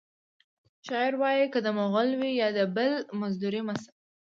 شاعر وایی که د مغل وي یا د بل مزدور مه شه